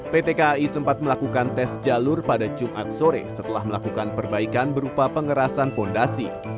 pt kai sempat melakukan tes jalur pada jumat sore setelah melakukan perbaikan berupa pengerasan fondasi